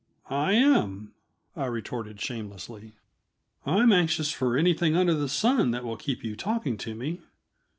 "I am," I retorted shamelessly. "I'm anxious for anything under the sun that will keep you talking to me.